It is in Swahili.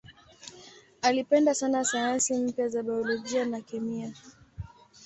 Alipenda sana sayansi mpya za biolojia na kemia.